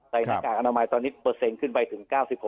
หน้ากากอนามัยตอนนี้เปอร์เซ็นต์ขึ้นไปถึง๙๖